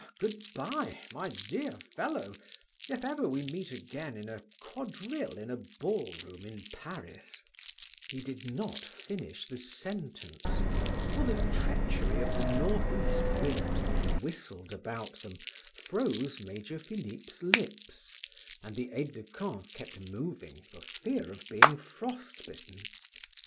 Good bye, my dear fellow. If ever we meet again in a quadrille in a ballroom in Paris " He did not finish the sentence, for the treachery of the northeast wind that whistled about them froze Major Philip's lips, and the aide de camp kept moving for fear of being frost bitten.